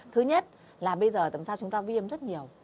thứ nhất là bây giờ làm sao chúng ta viêm rất nhiều